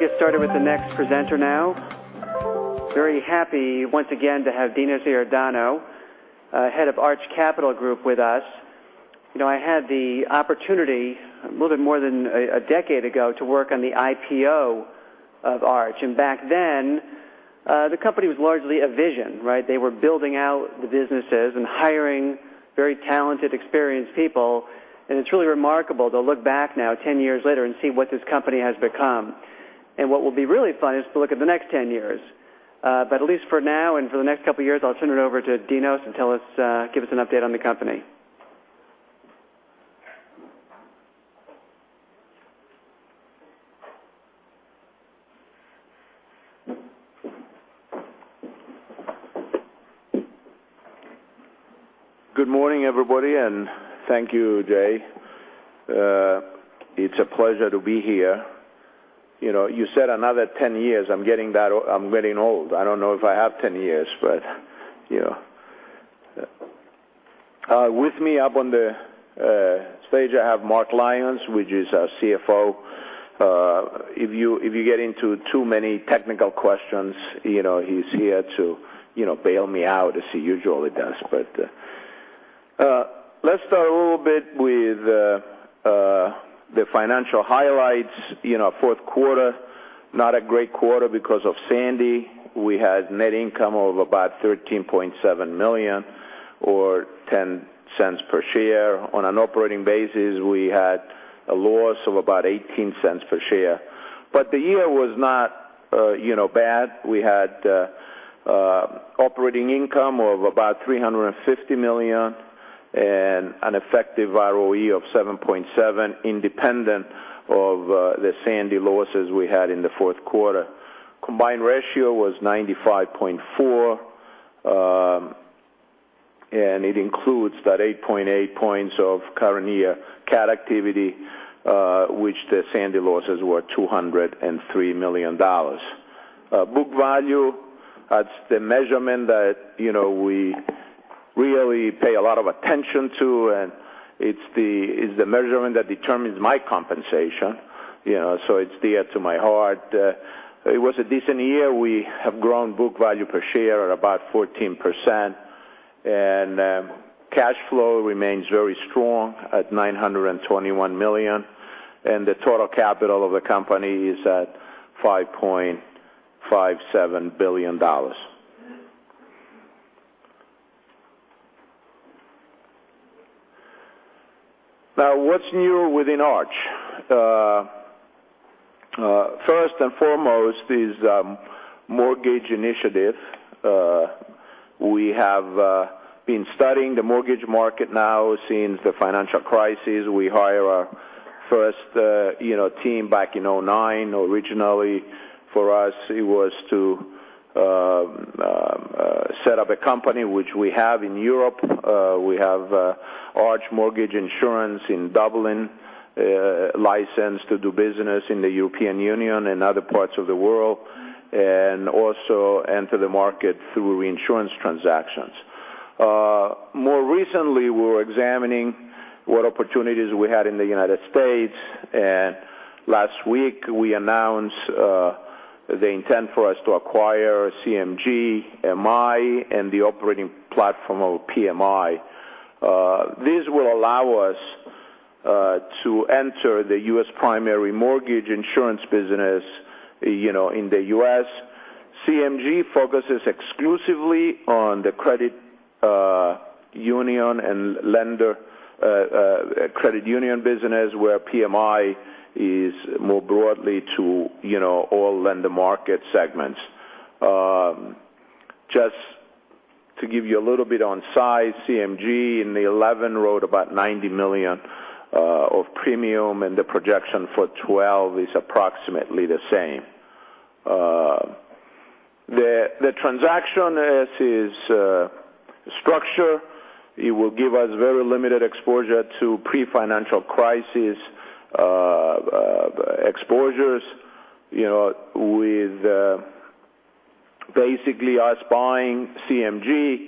We'll get started with the next presenter now. Very happy, once again, to have Constantine Iordanou, head of Arch Capital Group, with us. I had the opportunity, a little bit more than a decade ago, to work on the IPO of Arch. Back then, the company was largely a vision. They were building out the businesses and hiring very talented, experienced people. It's really remarkable to look back now, 10 years later, and see what this company has become. What will be really fun is to look at the next 10 years. At least for now and for the next couple of years, I'll turn it over to Dinos to give us an update on the company. Good morning, everybody, and thank you, Jay. It's a pleasure to be here. You said another 10 years. I'm getting old. I don't know if I have 10 years, but yeah. With me up on the stage, I have Mark Lyons, which is our CFO. If you get into too many technical questions, he's here to bail me out as he usually does. Let's start a little bit with the financial highlights. Fourth quarter, not a great quarter because of Sandy. We had net income of about $13.7 million or $0.10 per share. On an operating basis, we had a loss of about $0.18 per share. The year was not bad. We had operating income of about $350 million and an effective ROE of 7.7%, independent of the Sandy losses we had in the fourth quarter. Combined ratio was 95.4%, and it includes that 8.8 points of current year cat activity which the Sandy losses were $203 million. Book value, that's the measurement that we really pay a lot of attention to, and it's the measurement that determines my compensation, so it's dear to my heart. It was a decent year. We have grown book value per share at about 14%, and cash flow remains very strong at $921 million, and the total capital of the company is at $5.57 billion. What's new within Arch? First and foremost is mortgage initiative. We have been studying the mortgage market now since the financial crisis. We hire our first team back in 2009. Originally, for us, it was to set up a company which we have in Europe. We have Arch Mortgage Insurance in Dublin, licensed to do business in the European Union and other parts of the world, and also enter the market through reinsurance transactions. More recently, we were examining what opportunities we had in the United States, and last week, we announced the intent for us to acquire CMG, MI, and the operating platform of PMI. This will allow us to enter the U.S. primary mortgage insurance business in the U.S. CMG focuses exclusively on the credit union business where PMI is more broadly to all lender market segments. Just to give you a little bit on size, CMG in the 2011 wrote about $90 million of premium, and the projection for 2012 is approximately the same. The transaction as is structure, it will give us very limited exposure to pre-financial crisis exposures with basically us buying CMG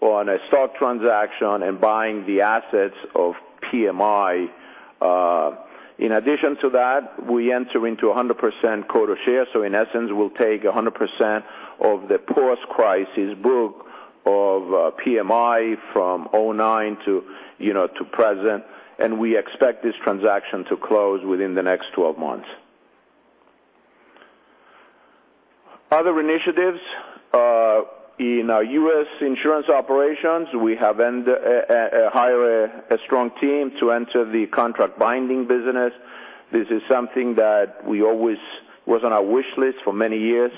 on a stock transaction and buying the assets of PMI. In addition to that, we enter into 100% quota share, so in essence, we'll take 100% of the post-crisis book of PMI from 2009 to present, and we expect this transaction to close within the next 12 months. Other initiatives in our U.S. insurance operations, we have hired a strong team to enter the contract binding business. This is something that was on our wish list for many years.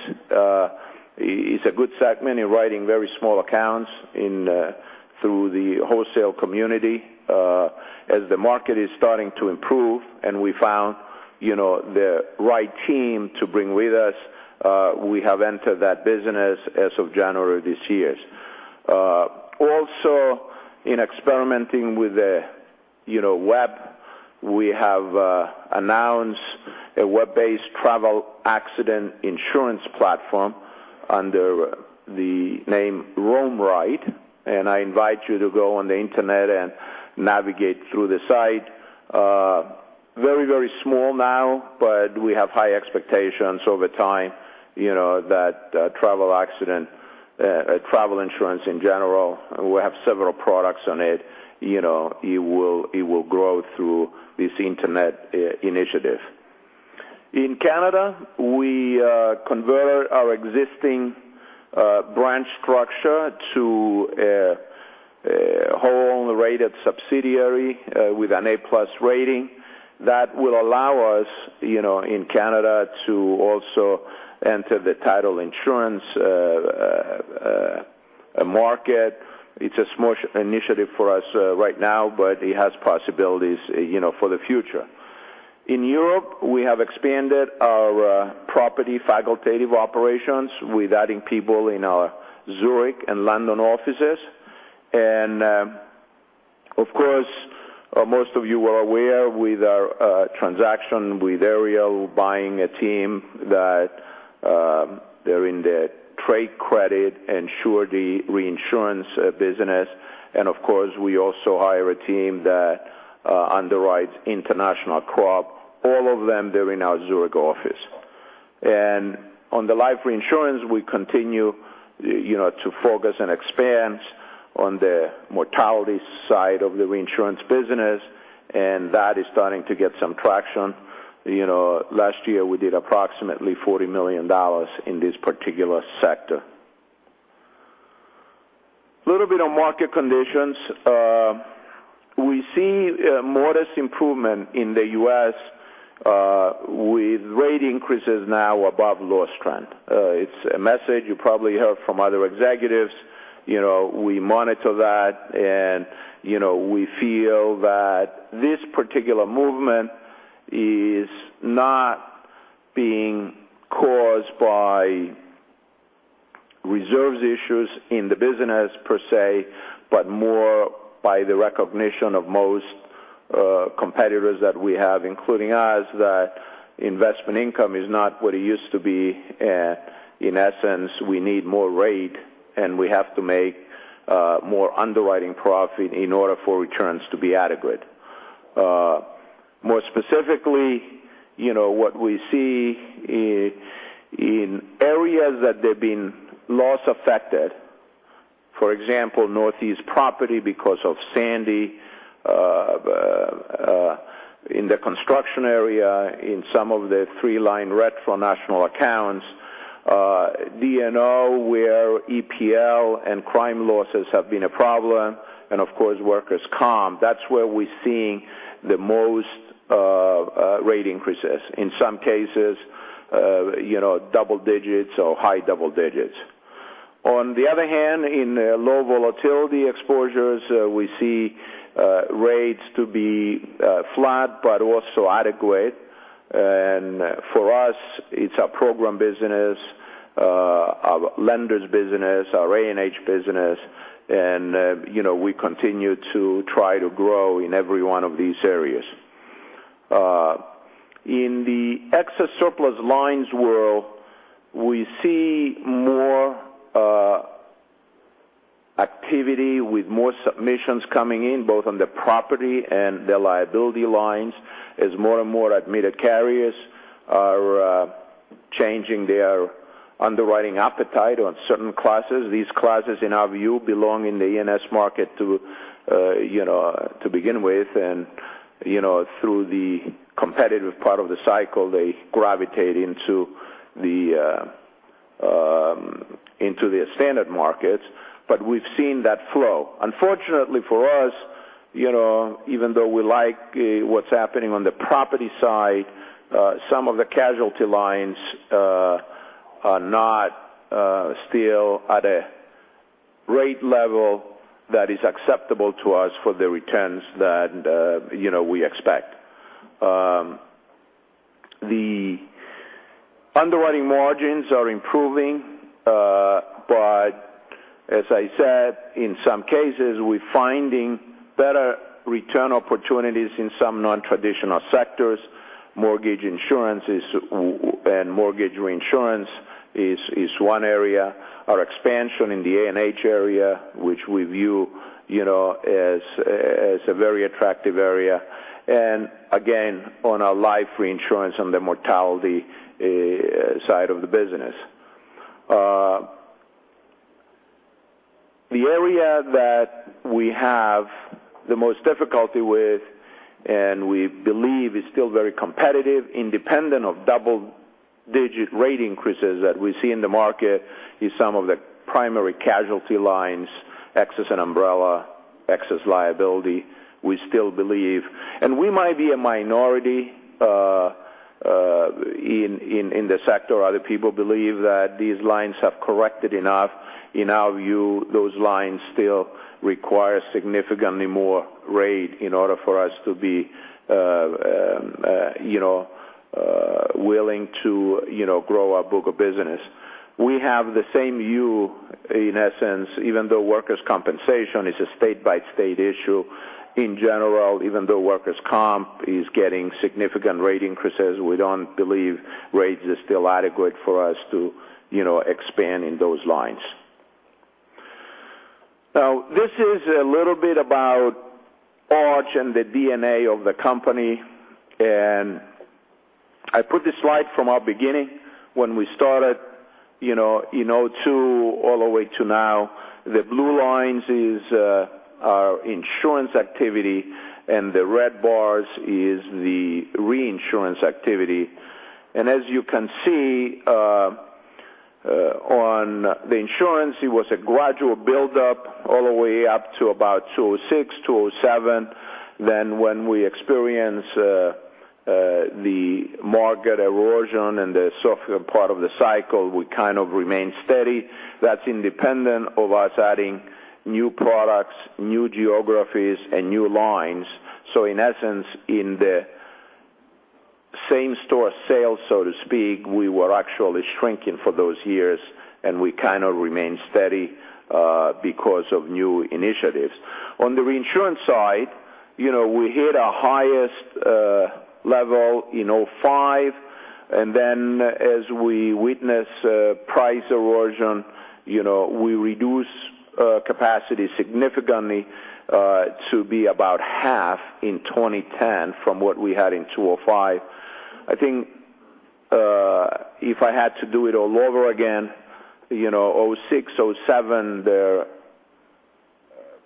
It's a good segment in writing very small accounts through the wholesale community. As the market is starting to improve and we found the right team to bring with us, we have entered that business as of January this year. In experimenting with the web, we have announced a web-based travel accident insurance platform under the name RoamRight, and I invite you to go on the internet and navigate through the site. Very small now, but we have high expectations over time that travel accident, travel insurance in general, we have several products on it will grow through this internet initiative. In Canada, we converted our existing branch structure to a wholly rated subsidiary with an A-plus rating that will allow us in Canada to also enter the title insurance market. It's a small initiative for us right now, but it has possibilities for the future. In Europe, we have expanded our property facultative operations with adding people in our Zurich and London offices. Most of you are aware with our transaction with Ariel buying a team that they're in the trade credit and surety reinsurance business. We also hire a team that underwrites international crop. All of them, they're in our Zurich office. On the life reinsurance, we continue to focus and expand on the mortality side of the reinsurance business, and that is starting to get some traction. Last year, we did approximately $40 million in this particular sector. A little bit on market conditions. We see a modest improvement in the U.S. with rate increases now above loss trend. It's a message you probably heard from other executives. We monitor that, and we feel that this particular movement is not being caused by reserves issues in the business per se, but more by the recognition of most competitors that we have, including us, that investment income is not what it used to be. In essence, we need more rate, and we have to make more underwriting profit in order for returns to be adequate. More specifically, what we see in areas that they've been loss affected, for example, Northeast property because of Sandy, in the construction area, in some of the three-line retro national accounts, D&O where EPL and crime losses have been a problem, and of course, workers' comp. That's where we're seeing the most rate increases. In some cases, double digits or high double digits. On the other hand, in low volatility exposures, we see rates to be flat but also adequate. For us, it's our program business, our lenders business, our A&H business, and we continue to try to grow in every one of these areas. In the excess and surplus lines world, we see more activity with more submissions coming in, both on the property and the liability lines, as more and more admitted carriers are changing their underwriting appetite on certain classes. These classes, in our view, belong in the E&S market to begin with, and through the competitive part of the cycle, they gravitate into the standard markets, but we've seen that flow. Unfortunately for us, even though we like what's happening on the property side, some of the casualty lines are not still at a rate level that is acceptable to us for the returns that we expect. The underwriting margins are improving, as I said, in some cases, we're finding better return opportunities in some non-traditional sectors. Mortgage insurance and mortgage reinsurance is one area. Our expansion in the A&H area, which we view as a very attractive area. Again, on our life reinsurance on the mortality side of the business. The area that we have the most difficulty with, and we believe is still very competitive, independent of double-digit rate increases that we see in the market, is some of the primary casualty lines, excess and umbrella, excess liability. We still believe, and we might be a minority in the sector. Other people believe that these lines have corrected enough. In our view, those lines still require significantly more rate in order for us to be willing to grow our book of business. In essence, even though workers' compensation is a state-by-state issue, in general, even though workers' comp is getting significant rate increases, we don't believe rates are still adequate for us to expand in those lines. This is a little bit about Arch and the DNA of the company. I put this slide from our beginning when we started, in 2002 all the way to now. The blue lines is our insurance activity, and the red bars is the reinsurance activity. As you can see, on the insurance, it was a gradual build-up all the way up to about 2006, 2007. When we experienced the market erosion and the softer part of the cycle, we kind of remained steady. That's independent of us adding new products, new geographies, and new lines. In essence, in the same store sales, so to speak, we were actually shrinking for those years, and we kind of remained steady because of new initiatives. On the reinsurance side, we hit our highest level in 2005, and then as we witnessed price erosion, we reduced capacity significantly to be about half in 2010 from what we had in 2005. I think, if I had to do it all over again, 2006, 2007, they're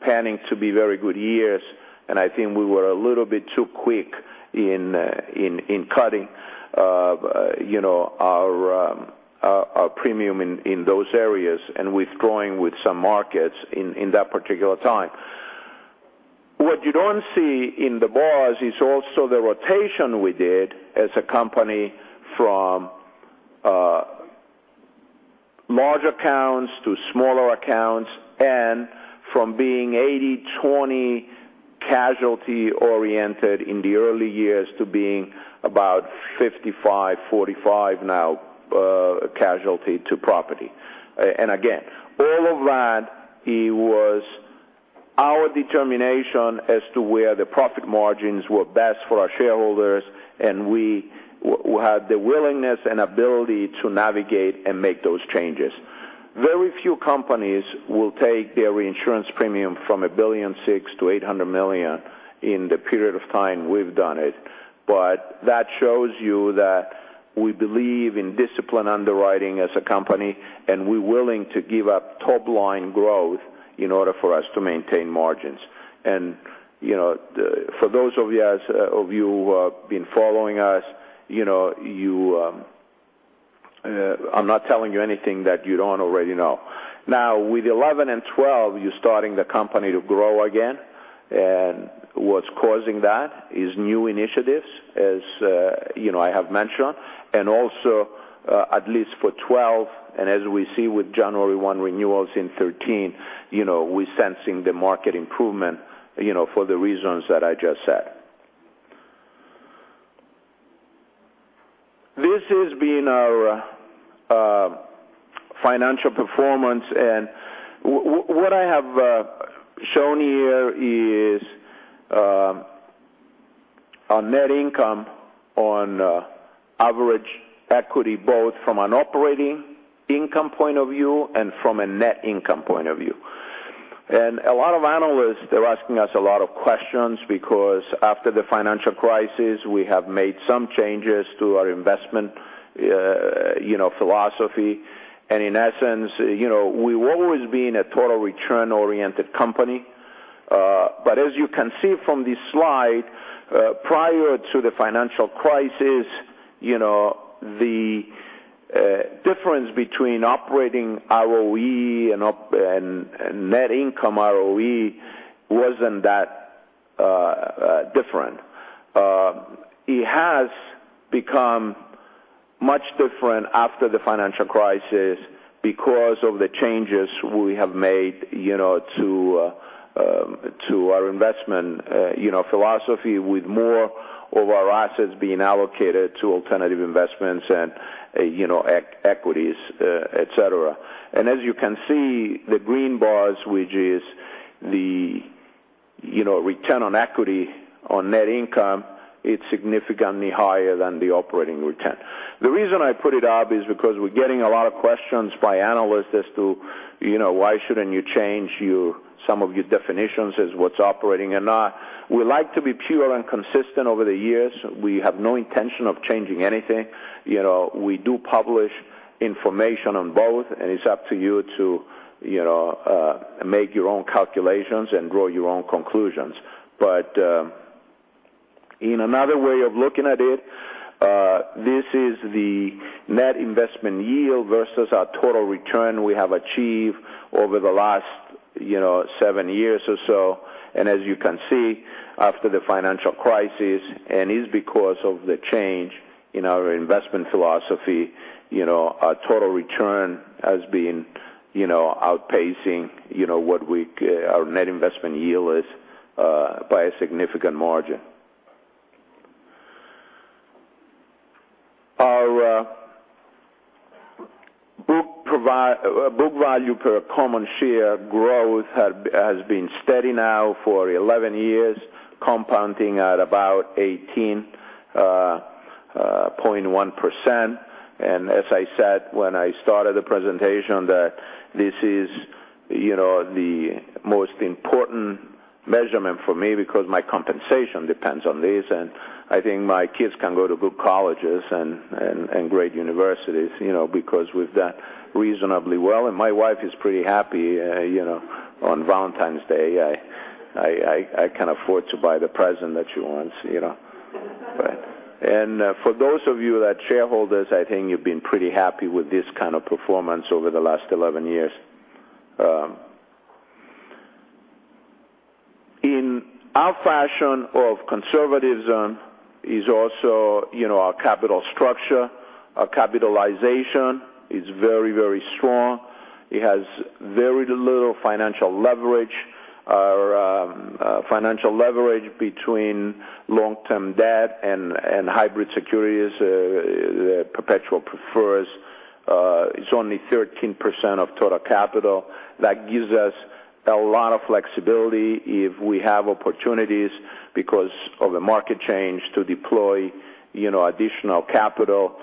panning to be very good years, and I think we were a little bit too quick in cutting our premium in those areas and withdrawing with some markets in that particular time. What you don't see in the bars is also the rotation we did as a company from large accounts to smaller accounts, and from being 80/20 casualty oriented in the early years to being about 55/45 now, casualty to property. It was our determination as to where the profit margins were best for our shareholders, and we had the willingness and ability to navigate and make those changes. Very few companies will take their reinsurance premium from $1.6 billion to $800 million in the period of time we've done it. That shows you that we believe in disciplined underwriting as a company, and we're willing to give up top-line growth in order for us to maintain margins. For those of you who have been following us, I'm not telling you anything that you don't already know. Now, with 2011 and 2012, you're starting the company to grow again. What's causing that is new initiatives, as I have mentioned, and also, at least for 2012, and as we see with January 1 renewals in 2013, we're sensing the market improvement, for the reasons that I just said. This has been our financial performance, and what I have shown here is our net income on average equity, both from an operating income point of view and from a net income point of view. A lot of analysts are asking us a lot of questions because, after the financial crisis, we have made some changes to our investment philosophy. In essence, we've always been a total return-oriented company. As you can see from this slide, prior to the financial crisis, the difference between operating ROE and net income ROE wasn't that different. It has become much different after the financial crisis because of the changes we have made to our investment philosophy, with more of our assets being allocated to alternative investments and equities, et cetera. As you can see, the green bars, which is the return on equity on net income, it's significantly higher than the operating return. The reason I put it up is because we're getting a lot of questions by analysts as to why shouldn't you change some of your definitions as what's operating and not. We like to be pure and consistent over the years. We have no intention of changing anything. We do publish information on both, and it's up to you to make your own calculations and draw your own conclusions. In another way of looking at it, this is the net investment yield versus our total return we have achieved over the last seven years or so. As you can see, after the financial crisis, and it's because of the change in our investment philosophy, our total return has been outpacing what our net investment yield is by a significant margin. Our book value per common share growth has been steady now for 11 years, compounding at about 18.1%. As I said when I started the presentation, that this is the most important measurement for me because my compensation depends on this. I think my kids can go to good colleges and great universities, because we've done reasonably well. My wife is pretty happy, on Valentine's Day, I can afford to buy the present that she wants. For those of you that are shareholders, I think you've been pretty happy with this kind of performance over the last 11 years. In our fashion of conservatism is also our capital structure. Our capitalization is very strong. It has very little financial leverage. Our financial leverage between long-term debt and hybrid securities, the perpetual prefers, is only 13% of total capital. That gives us a lot of flexibility if we have opportunities because of the market change to deploy additional capital.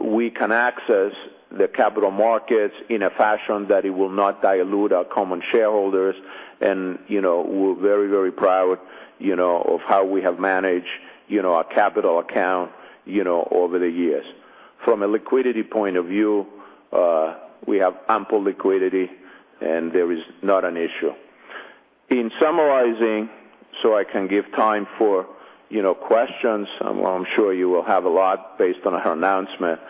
We can access the capital markets in a fashion that it will not dilute our common shareholders and we're very proud of how we have managed our capital account over the years. From a liquidity point of view, we have ample liquidity and there is not an issue. In summarizing, I can give time for questions, well, I'm sure you will have a lot based on our announcement.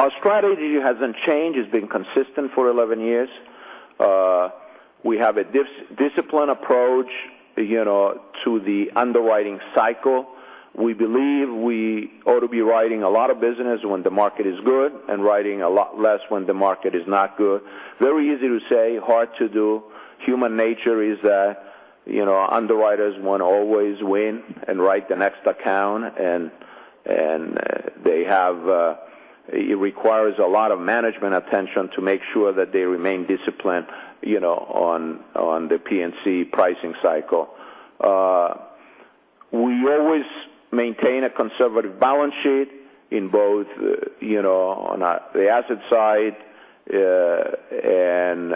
Our strategy hasn't changed. It's been consistent for 11 years. We have a disciplined approach to the underwriting cycle. We believe we ought to be writing a lot of business when the market is good and writing a lot less when the market is not good. Very easy to say, hard to do. Human nature is that underwriters want to always win and write the next account. It requires a lot of management attention to make sure that they remain disciplined on the P&C pricing cycle. We always maintain a conservative balance sheet on the asset side and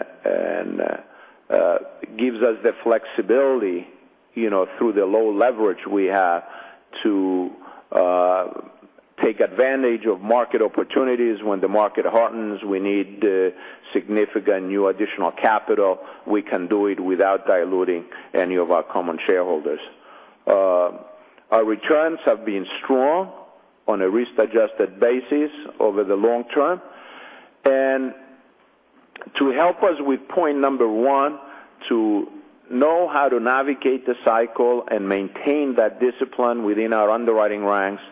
it gives us the flexibility through the low leverage we have to take advantage of market opportunities. When the market hardens, we need significant new additional capital, we can do it without diluting any of our common shareholders. Our returns have been strong on a risk-adjusted basis over the long term. To help us with point number 1, to know how to navigate the cycle and maintain that discipline within our underwriting ranks,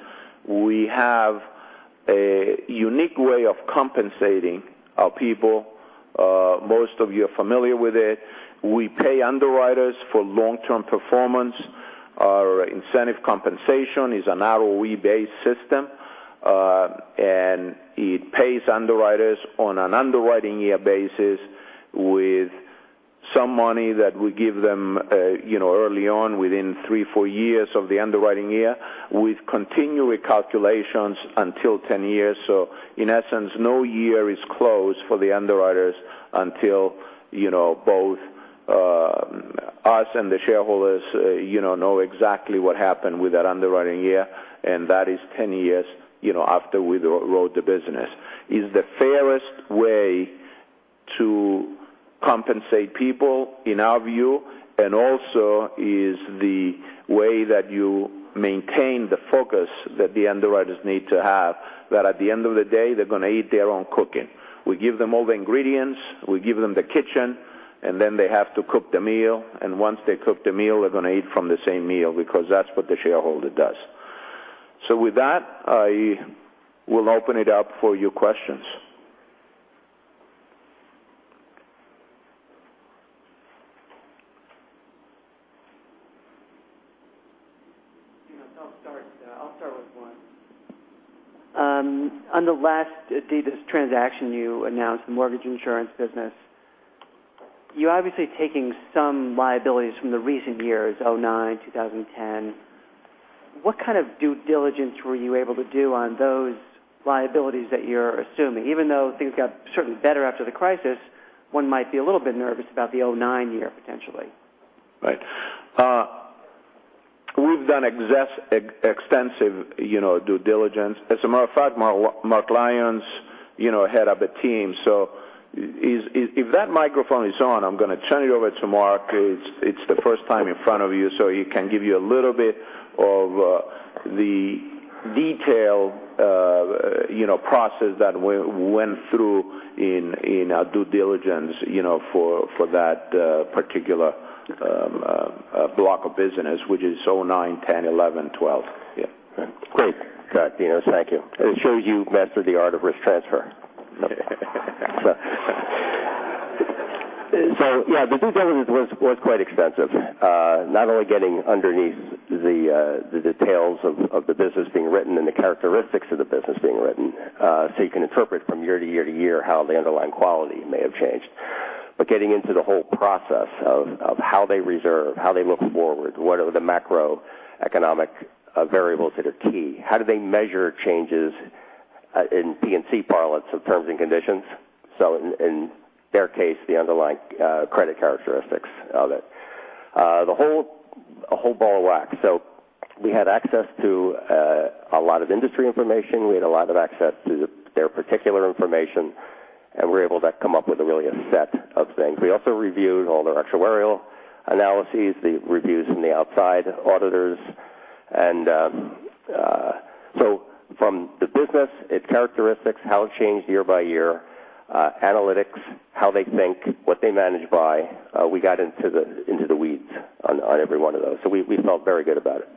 we have a unique way of compensating our people. Most of you are familiar with it. We pay underwriters for long-term performance. Our incentive compensation is an ROE-based system. It pays underwriters on an underwriting year basis with some money that we give them early on, within three, four years of the underwriting year, with continuing calculations until 10 years. In essence, no year is closed for the underwriters until both us and the shareholders know exactly what happened with that underwriting year. That is 10 years after we wrote the business. It's the fairest way to compensate people, in our view, and also is the way that you maintain the focus that the underwriters need to have, that at the end of the day, they're going to eat their own cooking. We give them all the ingredients, we give them the kitchen, and then they have to cook the meal. Once they cook the meal, they're going to eat from the same meal because that's what the shareholder does. With that, I will open it up for your questions. Dinos, I'll start with one. On the last Davis transaction you announced, the mortgage insurance business, you're obviously taking some liabilities from the recent years, 2009, 2010. What kind of due diligence were you able to do on those liabilities that you're assuming? Even though things got certainly better after the crisis, one might be a little bit nervous about the 2009 year potentially. Right. We've done extensive due diligence. As a matter of fact, Mark Lyons, head of the team. If that microphone is on, I'm going to turn it over to Mark. It's the first time in front of you, so he can give you a little bit of the detailed process that we went through in our due diligence for that particular block of business which is 2009, 2010, 2011, 2012. Yeah. Great. Got it. Dinos, thank you. It shows you've mastered the art of risk transfer. Yeah, the due diligence was quite extensive. Not only getting underneath the details of the business being written and the characteristics of the business being written, you can interpret from year to year to year how the underlying quality may have changed. Getting into the whole process of how they reserve, how they look forward, what are the macroeconomic variables that are key? How do they measure changes in P&C parlance of terms and conditions? In their case, the underlying credit characteristics of it. A whole ball of wax. We had access to a lot of industry information. We had a lot of access to their particular information, and we were able to come up with a set of things. We also reviewed all their actuarial analyses, the reviews from the outside auditors. From the business, its characteristics, how it changed year by year, analytics, how they think, what they manage by, we got into the weeds on every one of those. We felt very good about it.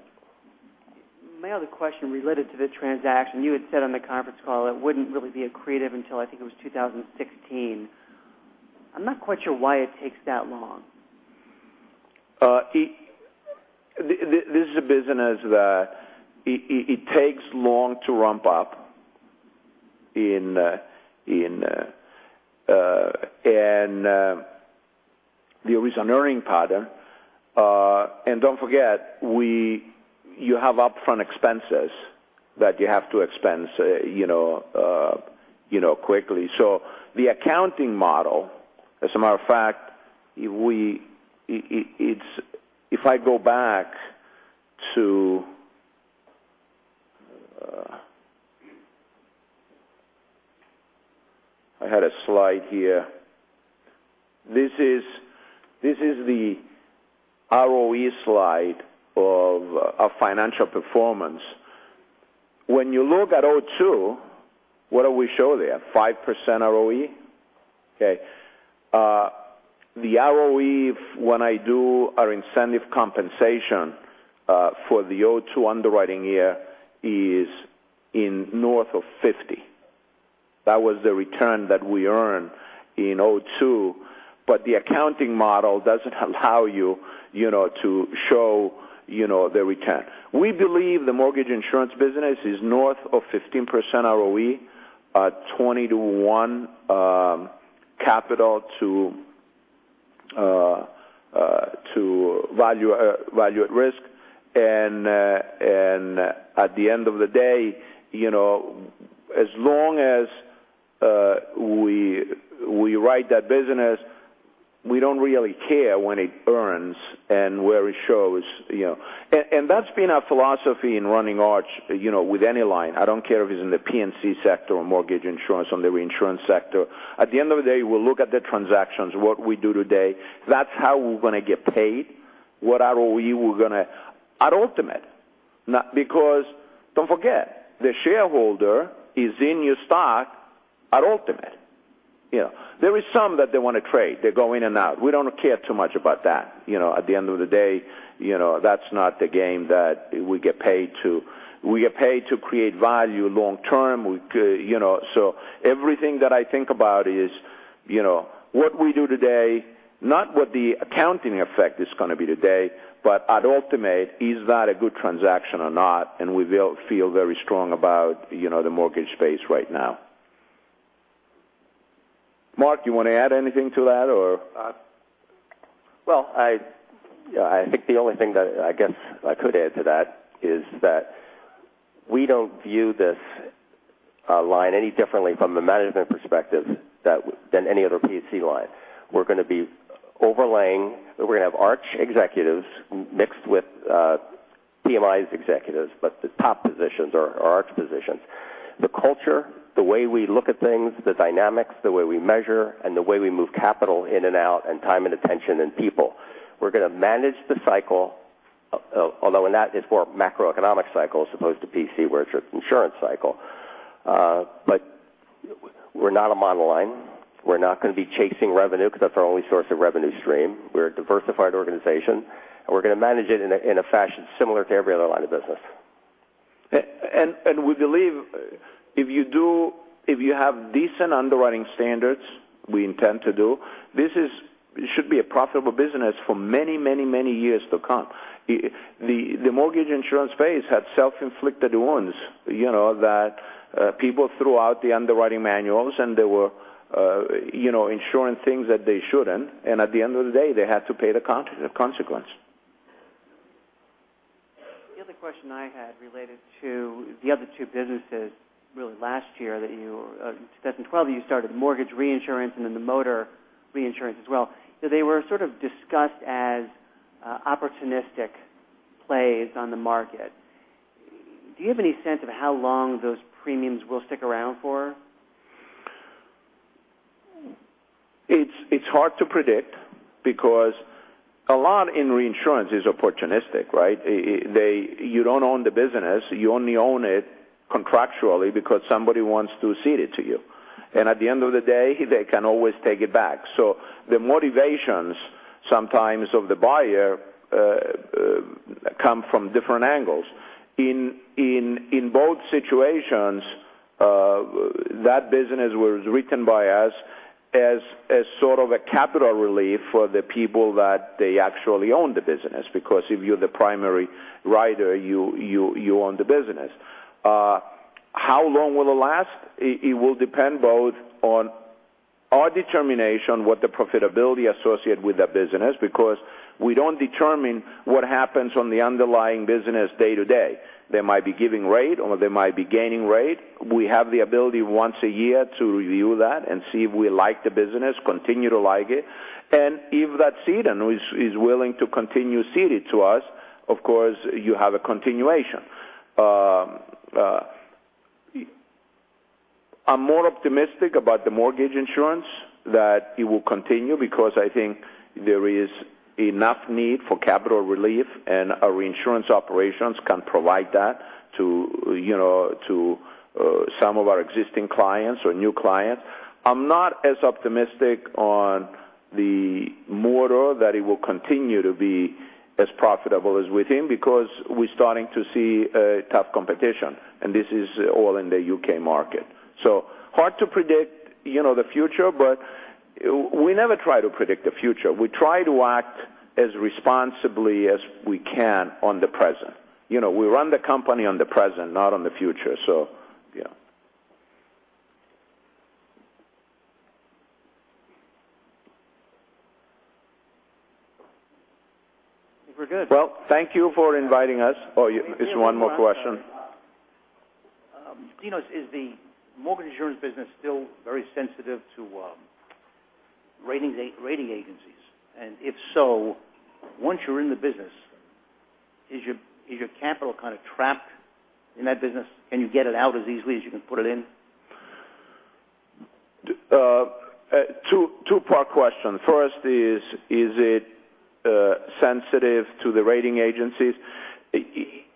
My other question related to the transaction, you had said on the conference call, it wouldn't really be accretive until, I think it was 2016. I'm not quite sure why it takes that long. This is a business that it takes long to ramp up and there is an earning pattern. Don't forget, you have upfront expenses that you have to expense quickly. The accounting model, as a matter of fact, if I go back to I had a slide here. This is the ROE slide of our financial performance. When you look at 2002, what do we show there? 5% ROE? Okay. The ROE when I do our incentive compensation for the 2002 underwriting year is in north of 50%. That was the return that we earned in 2002, but the accounting model doesn't allow you to show the return. We believe the mortgage insurance business is north of 15% ROE, 20 to 1 capital to value at risk. At the end of the day, as long as we write that business, we don't really care when it earns and where it shows. That's been our philosophy in running Arch, with any line. I don't care if it's in the P&C sector or mortgage insurance on the reinsurance sector. At the end of the day, we'll look at the transactions, what we do today. That's how we're going to get paid. What ROE we're going to at ultimate. Don't forget, the shareholder is in your stock at ultimate. There is some that they want to trade. They go in and out. We don't care too much about that. At the end of the day, that's not the game that we get paid to. We get paid to create value long term. Everything that I think about is what we do today, not what the accounting effect is going to be today, but at ultimate, is that a good transaction or not? We feel very strong about the mortgage space right now. Mark, you want to add anything to that or? Well, I think the only thing that I guess I could add to that is that we don't view this line any differently from a management perspective than any other P&C line. We're going to be overlaying. We're going to have Arch executives mixed with PMI's executives, but the top positions are Arch positions. The culture, the way we look at things, the dynamics, the way we measure, and the way we move capital in and out, and time and attention and people. We're going to manage the cycle, although in that it's more macroeconomic cycle as opposed to P&C where it's insurance cycle. We're not a monoline. We're not going to be chasing revenue because that's our only source of revenue stream. We're a diversified organization, and we're going to manage it in a fashion similar to every other line of business. We believe if you have decent underwriting standards, we intend to do, this should be a profitable business for many years to come. The mortgage insurance space had self-inflicted wounds, that people threw out the underwriting manuals, and at the end of the day, they had to pay the consequence. The other question I had related to the other two businesses really last year that you, in 2012, you started the mortgage reinsurance and then the motor reinsurance as well. They were sort of discussed as opportunistic plays on the market. Do you have any sense of how long those premiums will stick around for? It's hard to predict because a lot in reinsurance is opportunistic, right? You don't own the business. You only own it contractually because somebody wants to cede it to you. At the end of the day, they can always take it back. The motivations sometimes of the buyer come from different angles. In both situations, that business was written by us as sort of a capital relief for the people that they actually own the business, because if you're the primary writer, you own the business. How long will it last? It will depend both on our determination what the profitability associated with that business, because we don't determine what happens on the underlying business day to day. They might be giving rate, or they might be gaining rate. We have the ability once a year to review that and see if we like the business, continue to like it, and if that cedent is willing to continue ceding to us, of course, you have a continuation. I'm more optimistic about the mortgage insurance that it will continue because I think there is enough need for capital relief, and our insurance operations can provide that to some of our existing clients or new clients. I'm not as optimistic on the motor that it will continue to be as profitable as with him because we're starting to see tough competition, and this is all in the U.K. market. Hard to predict the future, but we never try to predict the future. We try to act as responsibly as we can on the present. We run the company on the present, not on the future. Yeah. I think we're good. Well, thank you for inviting us. Oh, just one more question. Dinos, is the mortgage insurance business still very sensitive to rating agencies? If so, once you're in the business, is your capital kind of trapped in that business? Can you get it out as easily as you can put it in? Two-part question. First is it sensitive to the rating agencies?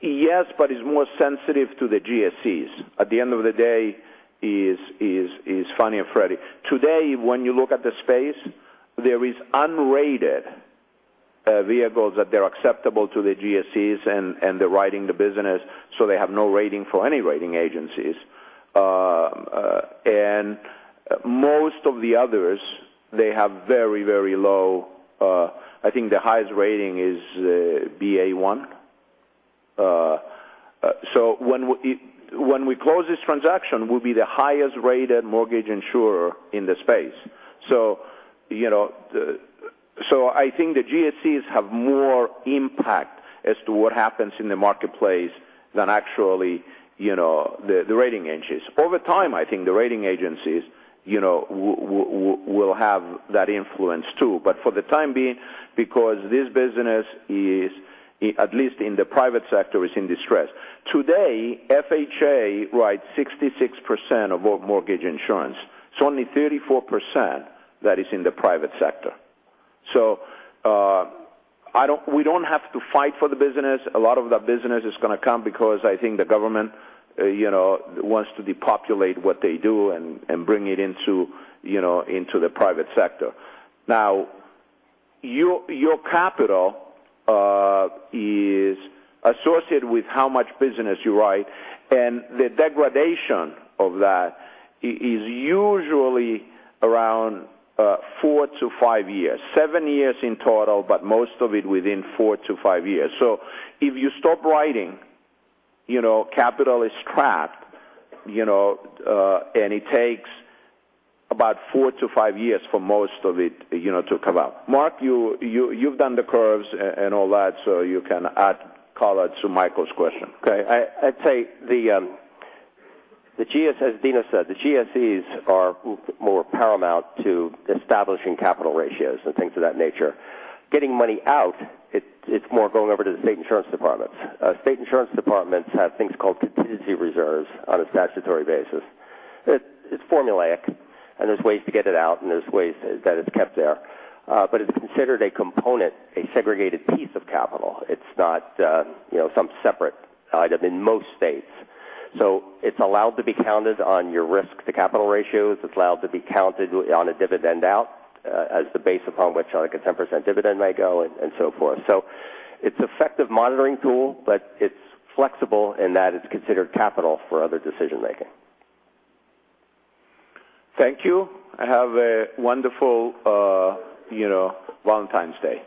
Yes, but it's more sensitive to the GSEs. At the end of the day is Fannie and Freddie. Today, when you look at the space, there is unrated vehicles that they're acceptable to the GSEs and they're writing the business, so they have no rating for any rating agencies. Most of the others, they have very, very low, I think the highest rating is Baa1. When we close this transaction, we'll be the highest-rated mortgage insurer in the space. I think the GSEs have more impact as to what happens in the marketplace than actually the rating agencies. Over time, I think the rating agencies will have that influence, too. For the time being, because this business is, at least in the private sector, is in distress. Today, FHA writes 66% of all mortgage insurance. It's only 34% that is in the private sector. We don't have to fight for the business. A lot of that business is going to come because I think the government wants to depopulate what they do and bring it into the private sector. Now, your capital is associated with how much business you write, and the degradation of that is usually around 4-5 years. Seven years in total, but most of it within 4-5 years. If you stop writing, capital is trapped, and it takes about 4-5 years for most of it to come out. Mark, you've done the curves and all that, you can add color to Michael's question. Okay. I'd say as Dinos said, the GSEs are more paramount to establishing capital ratios and things of that nature. Getting money out, it's more going over to the state insurance departments. State insurance departments have things called contingency reserves on a statutory basis. It's formulaic, and there's ways to get it out, and there's ways that it's kept there. But it's considered a component, a segregated piece of capital. It's not some separate item in most states. It's allowed to be counted on your risk to capital ratios. It's allowed to be counted on a dividend out as the base upon which like a 10% dividend may go and so forth. It's effective monitoring tool, but it's flexible in that it's considered capital for other decision-making. Thank you. Have a wonderful Valentine's Day